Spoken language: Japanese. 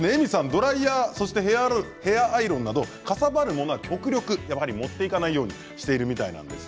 ドライヤーやヘアアイロンなどかさばるものは極力持っていかないようにしているみたいなんです。